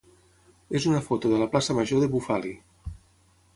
és una foto de la plaça major de Bufali.